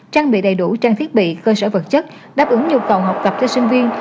trang bị đầy đủ trang thiết bị cơ sở vật chất đáp ứng nhu cầu học tập cho sinh viên